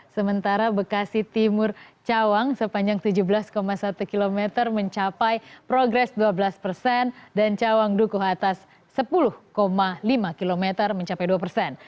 sementara bekasi timur cawang sepanjang tujuh belas satu km mencapai progres dua belas persen dan cawang dukuh atas sepuluh lima km mencapai dua persen